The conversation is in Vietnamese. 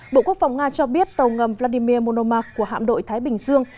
bộ quốc phòng nga cho biết tàu ngầm vladimir monomac của hạm đội thái bình dương